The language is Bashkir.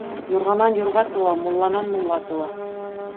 Юрғанан юрға тыуа, мулланан мулла тыуа.